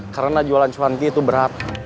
karena jualan cuanki itu berat